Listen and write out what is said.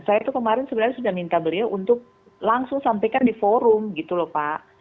saya itu kemarin sebenarnya sudah minta beliau untuk langsung sampaikan di forum gitu loh pak